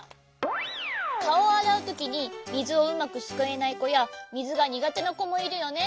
かおをあらうときにみずをうまくすくえないこやみずがにがてなこもいるよね。